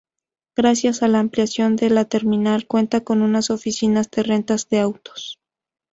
Gracias a la ampliación, la terminal cuenta con unas oficinas de rentas de autos.